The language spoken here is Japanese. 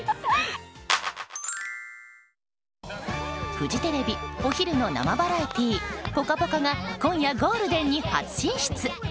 フジテレビお昼の生バラエティー「ぽかぽか」が今夜、ゴールデンに初進出。